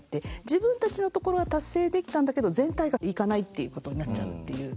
自分たちのところは達成できたんだけど全体がいかないっていうことになっちゃうっていう。